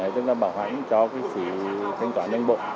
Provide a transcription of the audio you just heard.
tức là bảo hãnh cho phí thanh toán nâng bộ